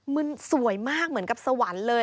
มันสวยมากเหมือนกับสวรรค์เลย